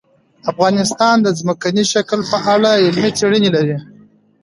افغانستان د ځمکنی شکل په اړه علمي څېړنې لري.